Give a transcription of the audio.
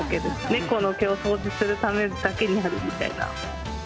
猫の毛を掃除するためだけにあるみたいな。